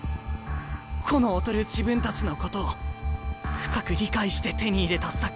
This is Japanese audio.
個の劣る自分たちのことを深く理解して手に入れたサッカー。